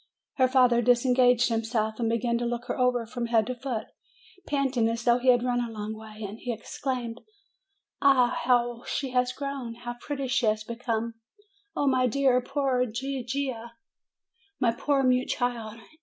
Her father disengaged himself, and began to look her over from head to foot, panting as though he had run a long way ; and he exclaimed : "Ah, how she has grown! How pretty she has become! Oh, my dear, poor Gigia! My poor mute child!